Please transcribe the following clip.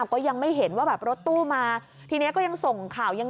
ก็ยังไม่เห็นว่าแบบรถตู้มาทีนี้ก็ยังส่งข่าวยัง